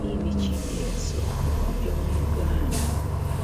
Ddiini ki eyasooka okujja mu Uganda?